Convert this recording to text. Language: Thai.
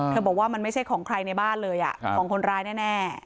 บอกว่ามันไม่ใช่ของใครในบ้านเลยของคนร้ายแน่